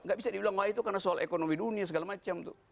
gak bisa dibilang wah itu karena soal ekonomi dunia segala macam tuh